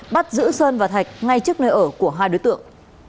bắt giữ sơn và thạch ngay trước nơi ở của hai đối tượng